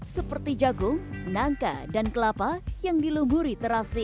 seperti jagung nangka dan kelapa yang dilumuri terasi